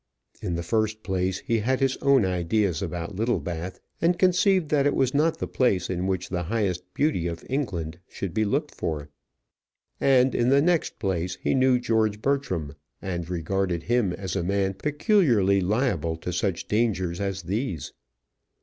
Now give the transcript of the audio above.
In the first place, he had his own ideas about Littlebath, and conceived that it was not the place in which the highest beauty of England should be looked for; and in the next place, he knew George Bertram, and regarded him as a man peculiarly liable to such dangers as these.